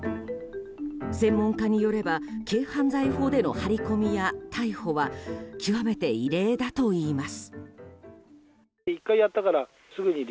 専門家によれば軽犯罪法での張り込みや逮捕は極めて異例だといいます。